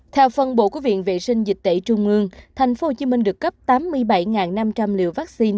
theo phần bộ quốc viện vệ sinh dịch tễ trung ương thành phố hồ chí minh được cấp tám mươi bảy năm trăm linh liều vaccine